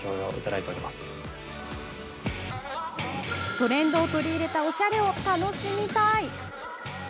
トレンドを取り入れたおしゃれを楽しみたい！